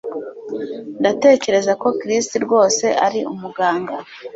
Ndatekereza ko Chris rwose ari umuganga